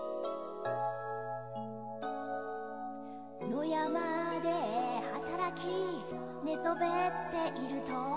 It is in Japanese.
「野山で働き」「寝そべっていると」